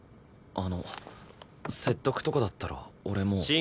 あの説得とかだったら俺もう。